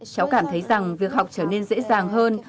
cháu cảm thấy rằng việc học trở nên dễ dàng hơn